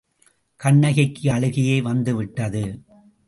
கண்ணகிக்கு அழுகையே வந்துவிட்டது.